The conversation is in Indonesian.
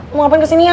mau ngapain kesini ya